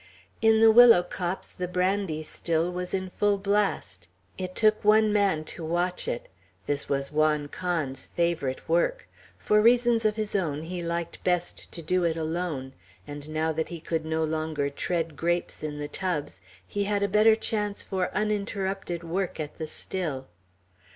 In the willow copse the brandy still was in full blast; it took one man to watch it; this was Juan Can's favorite work; for reasons of his own he liked best to do it alone; and now that he could no longer tread grapes in the tubs, he had a better chance for uninterrupted work at the still.